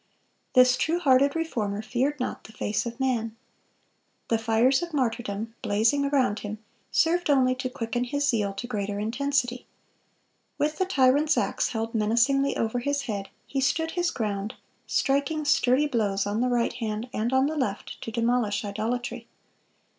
This true hearted Reformer feared not the face of man. The fires of martyrdom, blazing around him, served only to quicken his zeal to greater intensity. With the tyrant's axe held menacingly over his head, he stood his ground, striking sturdy blows on the right hand and on the left to demolish idolatry.